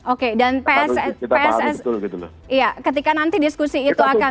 oke dan pssi ketika nanti diskusi itu akan